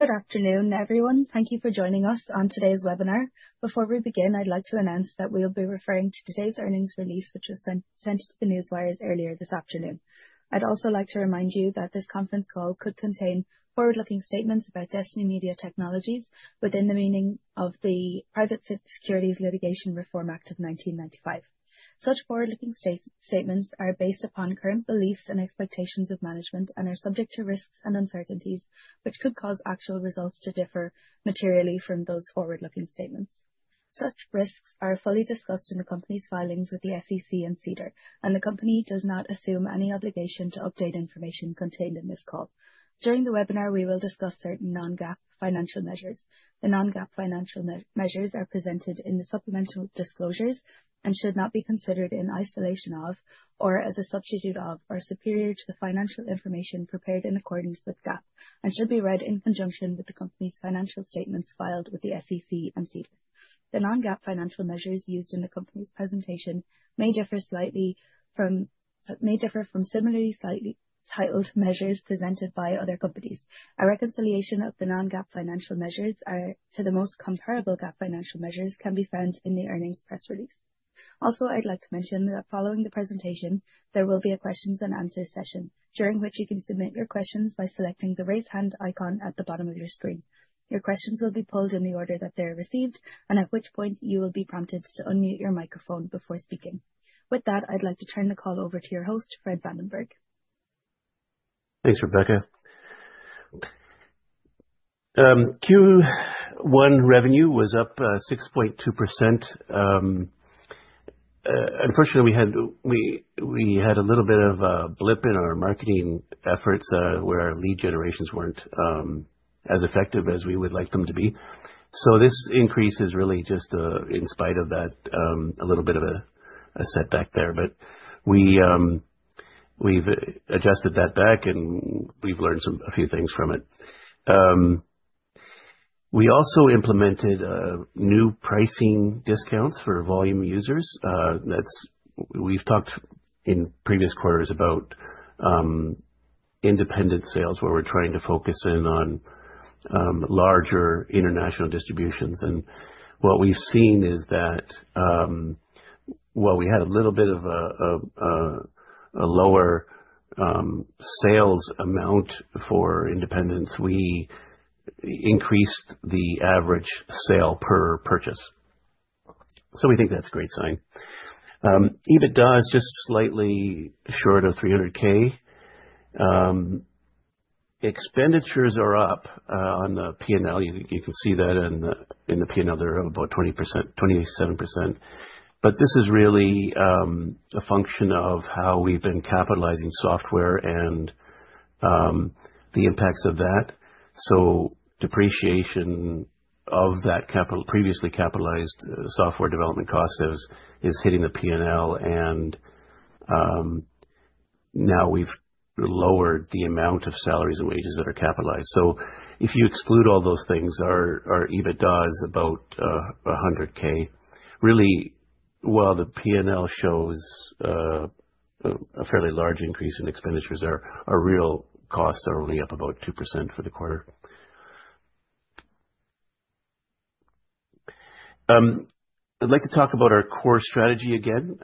Good afternoon, everyone. Thank you for joining us on today's webinar. Before we begin, I'd like to announce that we'll be referring to today's earnings release, which was sent to the news wires earlier this afternoon. I'd also like to remind you that this conference call could contain forward-looking statements about Destiny Media Technologies within the meaning of the Private Securities Litigation Reform Act of 1995. Such forward-looking statements are based upon current beliefs and expectations of management and are subject to risks and uncertainties, which could cause actual results to differ materially from those forward-looking statements. Such risks are fully discussed in the company's filings with the SEC and SEDAR, and the company does not assume any obligation to update information contained in this call. During the webinar, we will discuss certain non-GAAP financial measures. The non-GAAP financial measures are presented in the supplemental disclosures and should not be considered in isolation of, or as a substitute of, or superior to the financial information prepared in accordance with GAAP, and should be read in conjunction with the company's financial statements filed with the SEC and SEDAR. The non-GAAP financial measures used in the company's presentation may differ slightly from similarly titled measures presented by other companies. A reconciliation of the non-GAAP financial measures to the most comparable GAAP financial measures can be found in the earnings press release. Also, I'd like to mention that following the presentation, there will be a questions and answers session during which you can submit your questions by selecting the raise hand icon at the bottom of your screen. Your questions will be pulled in the order that they're received, and at which point you will be prompted to unmute your microphone before speaking. With that, I'd like to turn the call over to your host, Fred Vandenberg. Thanks, Rebecca. Q1 revenue was up 6.2%. Unfortunately, we had a little bit of a blip in our marketing efforts where our lead generations weren't as effective as we would like them to be. So this increase is really just in spite of that, a little bit of a setback there. But we've adjusted that back, and we've learned a few things from it. We also implemented new pricing discounts for volume users. We've talked in previous quarters about independent sales, where we're trying to focus in on larger international distributions. And what we've seen is that, while we had a little bit of a lower sales amount for independents, we increased the average sale per purchase. So we think that's a great sign. EBITDA is just slightly short of $300,000. Expenditures are up on the P&L. You can see that in the P&L. They're up about 27%. But this is really a function of how we've been capitalizing software and the impacts of that. So depreciation of that previously capitalized software development cost is hitting the P&L, and now we've lowered the amount of salaries and wages that are capitalized. So if you exclude all those things, our EBITDA is about $100K. Really, while the P&L shows a fairly large increase in expenditures, our real costs are only up about 2% for the quarter. I'd like to talk about our core strategy again.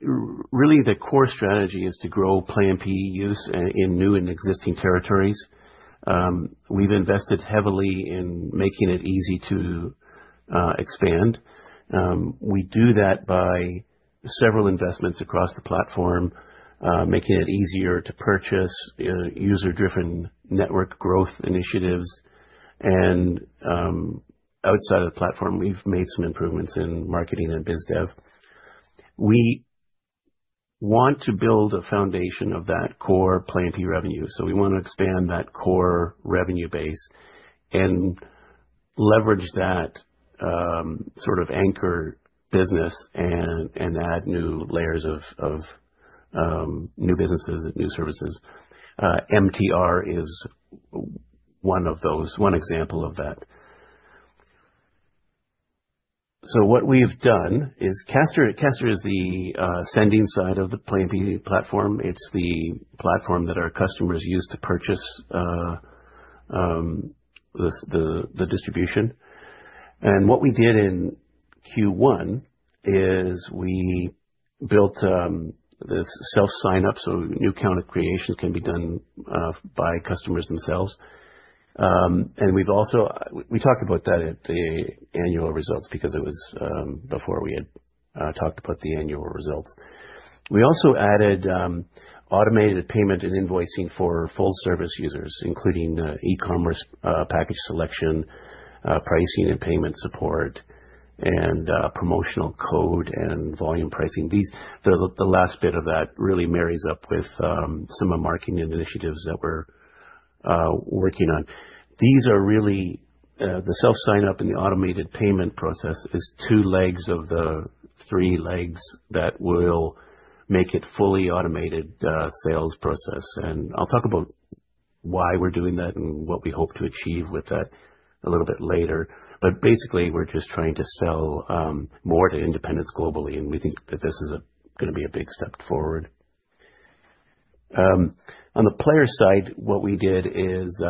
Really, the core strategy is to grow Play MPE use in new and existing territories. We've invested heavily in making it easy to expand. We do that by several investments across the platform, making it easier to purchase, user-driven network growth initiatives. And outside of the platform, we've made some improvements in marketing and biz dev. We want to build a foundation of that core Play MPE revenue. We want to expand that core revenue base and leverage that sort of anchor business and add new layers of new businesses and new services. MTR is one example of that. What we've done is Caster is the sending side of the Play MPE platform. It's the platform that our customers use to purchase the distribution. What we did in Q1 is we built this self-sign-up, so new account creations can be done by customers themselves. We talked about that at the annual results because it was before we had talked about the annual results. We also added automated payment and invoicing for full-service users, including e-commerce package selection, pricing and payment support, and promotional code and volume pricing. The last bit of that really marries up with some of the marketing initiatives that we're working on. These are really the self-sign-up and the automated payment process, two legs of the three legs that will make it fully automated sales process, and I'll talk about why we're doing that and what we hope to achieve with that a little bit later, but basically, we're just trying to sell more to independents globally, and we think that this is going to be a big step forward. On the player side, what we did is,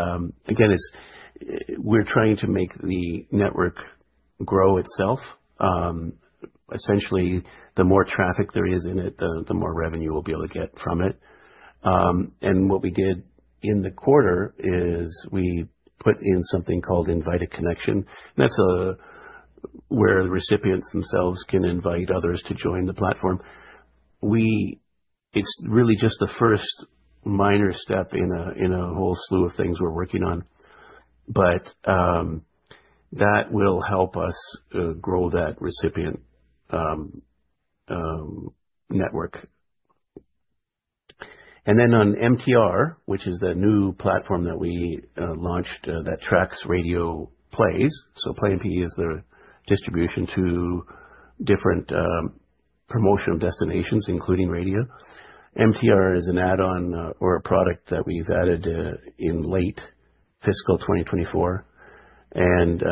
again, we're trying to make the network grow itself. Essentially, the more traffic there is in it, the more revenue we'll be able to get from it, and what we did in the quarter is we put in something called invited connection. That's where the recipients themselves can invite others to join the platform. It's really just the first minor step in a whole slew of things we're working on. But that will help us grow that recipient network. And then on MTR, which is the new platform that we launched that tracks radio plays. So Play MPE is the distribution to different promotional destinations, including radio. MTR is an add-on or a product that we've added in late fiscal 2024. And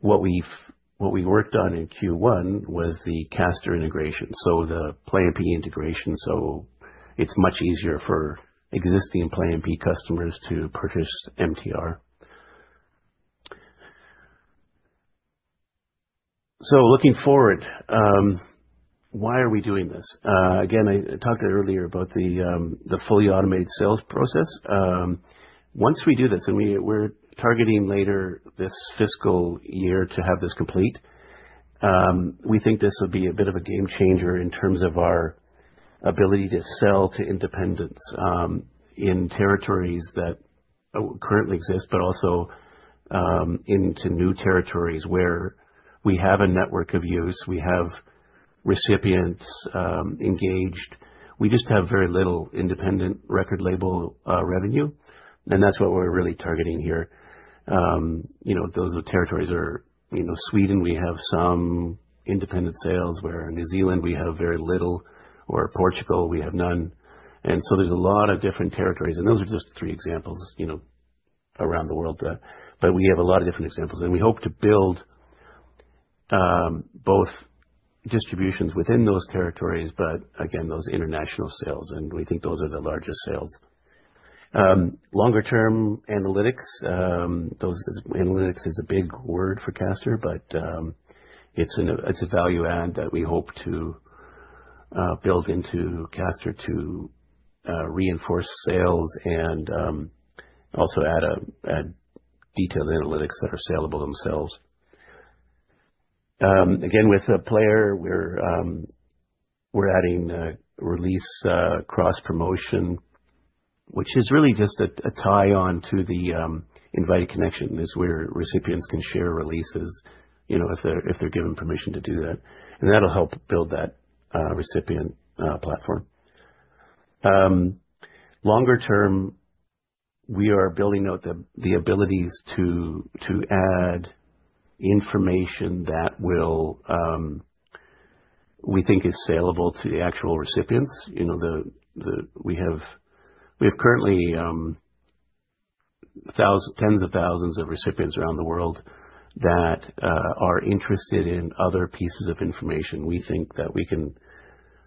what we worked on in Q1 was the Caster integration, so the Play MPE integration. So it's much easier for existing Play MPE customers to purchase MTR. So looking forward, why are we doing this? Again, I talked earlier about the fully automated sales process. Once we do this, and we're targeting later this fiscal year to have this complete, we think this would be a bit of a game changer in terms of our ability to sell to independents in territories that currently exist, but also into new territories where we have a network of use. We have recipients engaged. We just have very little independent record label revenue. And that's what we're really targeting here. Those territories are Sweden. We have some independent sales where New Zealand, we have very little, or Portugal, we have none. And so there's a lot of different territories. And those are just three examples around the world. But we have a lot of different examples. And we hope to build both distributions within those territories, but again, those international sales. And we think those are the largest sales. Longer-term analytics. Analytics is a big word for Caster, but it's a value add that we hope to build into Caster to reinforce sales and also add detailed analytics that are saleable themselves. Again, with a player, we're adding release cross-promotion, which is really just a tie on to the invited connection, is where recipients can share releases if they're given permission to do that. And that'll help build that recipient platform. Longer-term, we are building out the abilities to add information that we think is saleable to the actual recipients. We have currently tens of thousands of recipients around the world that are interested in other pieces of information we think that we can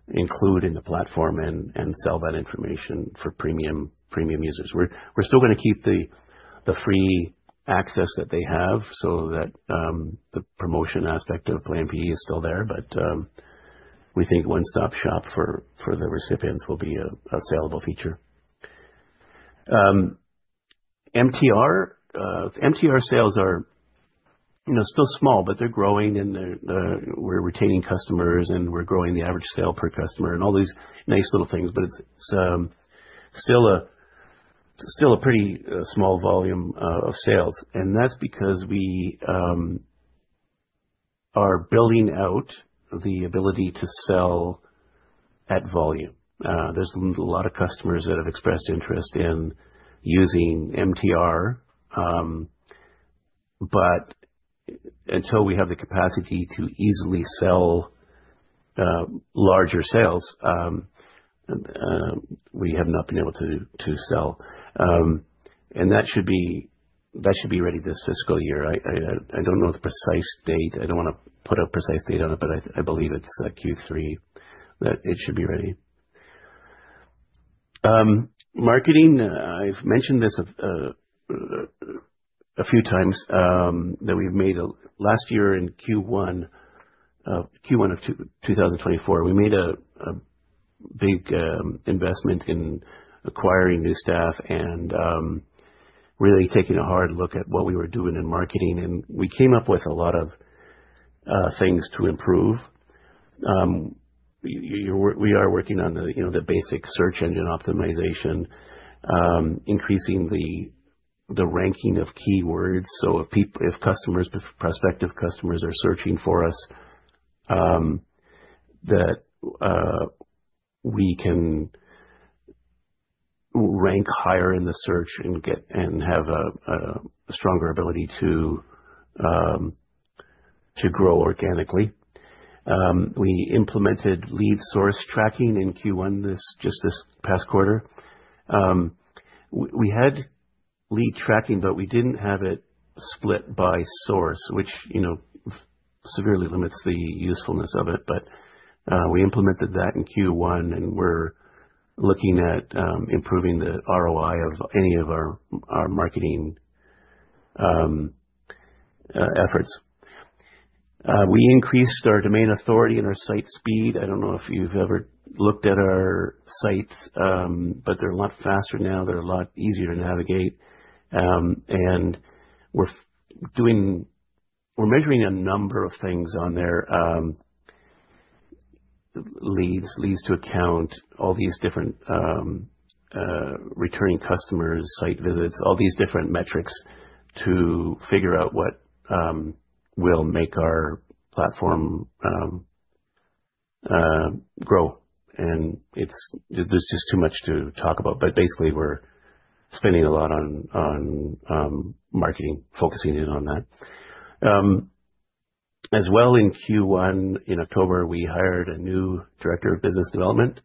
include in the platform and sell that information for premium users. We're still going to keep the free access that they have so that the promotion aspect of Play MPE is still there. But we think one-stop shop for the recipients will be a saleable feature. MTR sales are still small, but they're growing, and we're retaining customers, and we're growing the average sale per customer and all these nice little things. But it's still a pretty small volume of sales. And that's because we are building out the ability to sell at volume. There's a lot of customers that have expressed interest in using MTR. But until we have the capacity to easily sell larger sales, we have not been able to sell. And that should be ready this fiscal year. I don't know the precise date. I don't want to put a precise date on it, but I believe it's Q3 that it should be ready. Marketing. I've mentioned this a few times that we've made last year in Q1 of 2024. We made a big investment in acquiring new staff and really taking a hard look at what we were doing in marketing, and we came up with a lot of things to improve. We are working on the basic search engine optimization, increasing the ranking of keywords, so if prospective customers are searching for us, that we can rank higher in the search and have a stronger ability to grow organically. We implemented lead source tracking in Q1 just this past quarter. We had lead tracking, but we didn't have it split by source, which severely limits the usefulness of it, but we implemented that in Q1, and we're looking at improving the ROI of any of our marketing efforts. We increased our domain authority and our site speed. I don't know if you've ever looked at our sites, but they're a lot faster now. They're a lot easier to navigate. And we're measuring a number of things on there: leads, leads to account, all these different returning customers, site visits, all these different metrics to figure out what will make our platform grow. And there's just too much to talk about. But basically, we're spending a lot on marketing, focusing in on that. As well, in Q1, in October, we hired a new director of business development.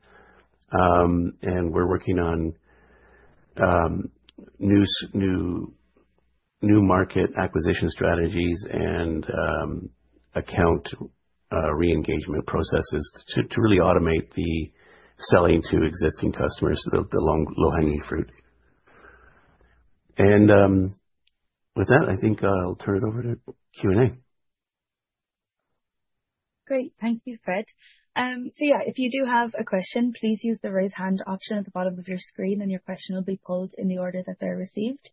And we're working on new market acquisition strategies and account re-engagement processes to really automate the selling to existing customers, the low-hanging fruit. And with that, I think I'll turn it over to Q&A. Great. Thank you, Fred. So yeah, if you do have a question, please use the raise hand option at the bottom of your screen, and your question will be pulled in the order that they're received.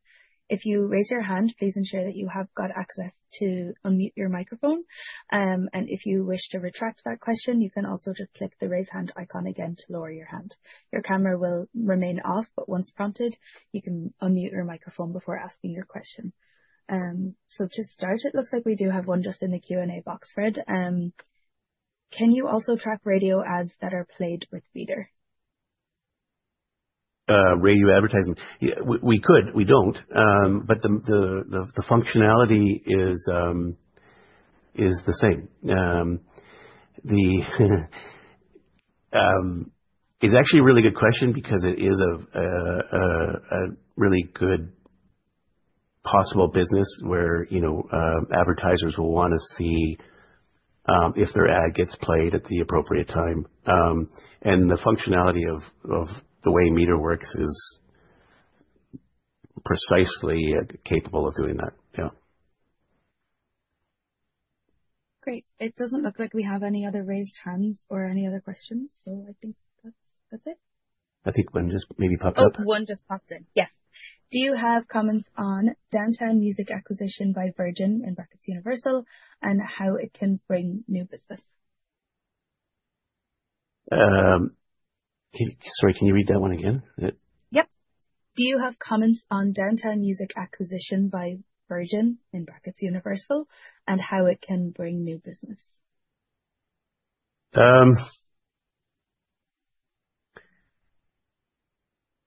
If you raise your hand, please ensure that you have got access to unmute your microphone. And if you wish to retract that question, you can also just click the raise hand icon again to lower your hand. Your camera will remain off, but once prompted, you can unmute your microphone before asking your question. So to start, it looks like we do have one just in the Q&A box, Fred. Can you also track radio ads that are played with radar? Radio advertising. We could. We don't. But the functionality is the same. It's actually a really good question because it is a really good possible business where advertisers will want to see if their ad gets played at the appropriate time. And the functionality of the way MTR works is precisely capable of doing that. Yeah. Great. It doesn't look like we have any other raised hands or any other questions. I think that's it. I think one just maybe popped up. Oh, one just popped in. Yes. Do you have comments on Downtown Music Holdings acquisition by Universal Music Group and how it can bring new business? Sorry, can you read that one again? Yep. Do you have comments on Downtown Music Holdings acquisition by Universal Music Group and how it can bring new business?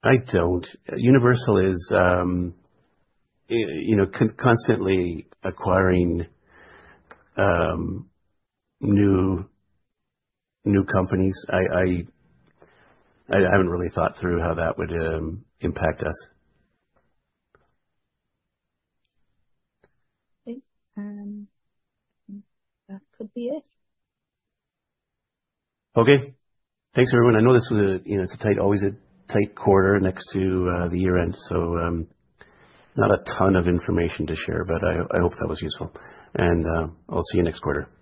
I don't. Universal is constantly acquiring new companies. I haven't really thought through how that would impact us. Great. That could be it. Okay. Thanks, everyone. I know this was a tight quarter next to the year-end, so not a ton of information to share, but I hope that was useful, and I'll see you next quarter.